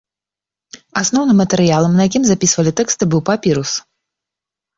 Асноўным матэрыялам, на якім запісвалі тэксты, быў папірус.